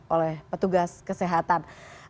oleh petugas kesehatan